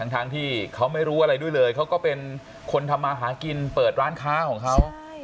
ทั้งที่เขาไม่รู้อะไรด้วยเลยเขาก็เป็นคนทำมาหากินเปิดร้านค้าของเขา